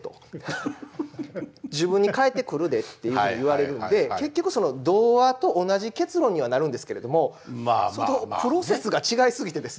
「自分に返ってくるで」っていうふうに言われるんで結局その童話と同じ結論にはなるんですけれどもプロセスが違いすぎてですね。